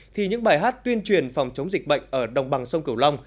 thì những bài hát tuyên truyền phòng chống dịch bệnh ở đồng bằng sông cửu long